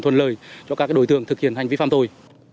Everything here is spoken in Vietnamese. thuần lời cho các đối tượng thực hiện hành vi phạm tồi